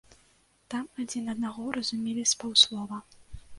Там адзін аднаго разумелі з паўслова.